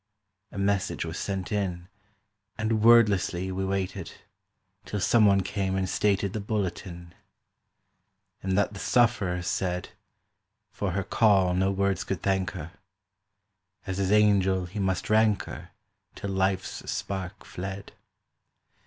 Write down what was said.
A message was sent in, And wordlessly we waited, Till some one came and stated The bulletin. And that the sufferer said, For her call no words could thank her; As his angel he must rank her Till life's spark fled.